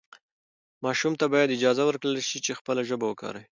ماشوم ته باید اجازه ورکړل شي چې خپله ژبه وکاروي.